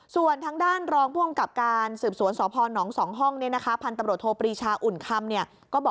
ส่วนทางด้านรองท์ภูมิกับการสืบสวนสพนสองห้องเนี่ยนะคะพันบรรทบริชาอุ่นคำเนี่ย